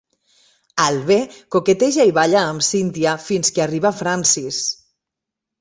Al B coqueteja i balla amb Cynthia, fins que arriba Francis.